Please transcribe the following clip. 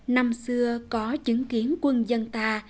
năm xưa có chứng kiến quân dân ta